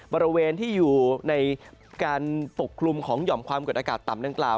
บริเวณที่อยู่ในการปกคลุมของหย่อมความกดอากาศต่ำดังกล่าว